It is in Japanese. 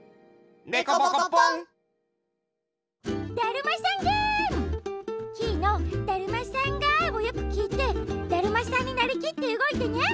だるまさんゲーム！キイの「だるまさんが」をよくきいてだるまさんになりきってうごいてね。